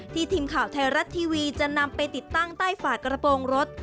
ทีมข่าวไทยรัฐทีวีจะนำไปติดตั้งใต้ฝากระโปรงรถ